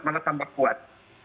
mana sampai kuat